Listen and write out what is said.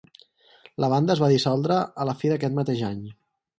La banda es va dissoldre a la fi d'aquest mateix any.